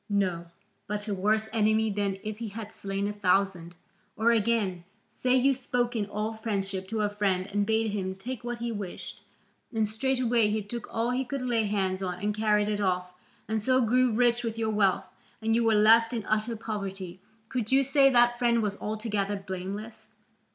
No; but a worse enemy than if he had slain a thousand. Or again, say you spoke in all friendship to a friend and bade him take what he wished, and straightway he took all he could lay hands on and carried it off, and so grew rich with your wealth, and you were left in utter poverty, could you say that friend was altogether blameless?